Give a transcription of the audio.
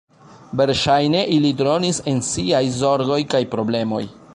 Verŝajne ili dronis en siaj zorgoj kaj problemoj.